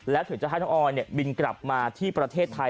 แล้วถึงจะให้น้องออยบินกลับมาที่ประเทศไทย